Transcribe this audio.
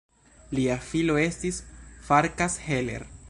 Lia filo estis Farkas Heller.